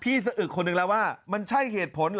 สะอึกคนหนึ่งแล้วว่ามันใช่เหตุผลเหรอ